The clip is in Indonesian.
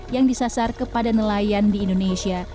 yang disasar kepada nelayan di indonesia